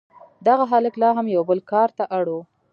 دغه هلک لا هم یو بل کار ته اړ و